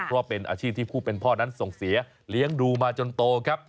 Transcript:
เพราะว่าเป็นอาชีพที่ผู้เป็นพ่อนั้นส่งเสียเลี้ยงดูมาจนโตครับ